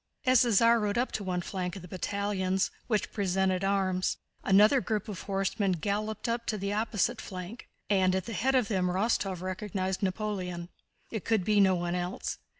As the Tsar rode up to one flank of the battalions, which presented arms, another group of horsemen galloped up to the opposite flank, and at the head of them Rostóv recognized Napoleon. It could be no one else.